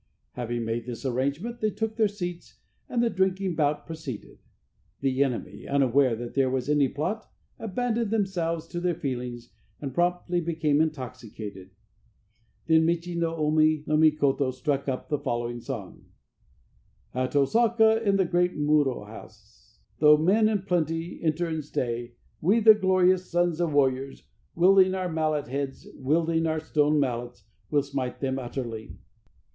Having made this arrangement they took their seats, and the drinking bout proceeded. The enemy, unaware that there was any plot, abandoned themselves to their feelings, and promptly became intoxicated. Then Michi no Omi no Mikoto struck up the following song: "At Osaka In the great Muro house, Though men in plenty Enter and stay, We the glorious Sons of warriors, Wielding our mallet heads, Wielding our stone mallets, Will smite them utterly."